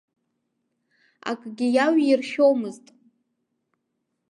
Акгьы иаҩиршәомызт.